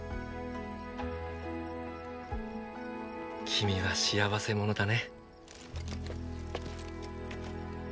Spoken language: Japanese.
君は幸せ者だね。